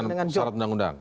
dengan syarat undang undang